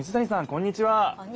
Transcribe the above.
こんにちは。